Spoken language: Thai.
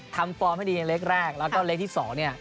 ทำฟอร์มให้ดีในเล็กแล้วก็เล็กที่๒เนี่ย